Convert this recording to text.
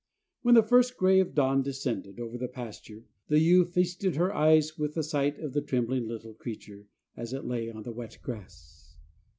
When the first gray of dawn descended over the pasture, the ewe feasted her eyes with the sight of the trembling little creature, as it lay on the wet grass.